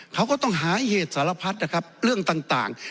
เขาก็ต้องหาเหตุสารพัดนะครับเรื่องต่าง